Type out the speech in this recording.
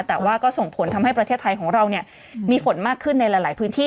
แต่ว่าก็ส่งผลทำให้ประเทศไทยของเรามีฝนมากขึ้นในหลายพื้นที่